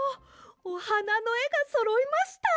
おはなのえがそろいました！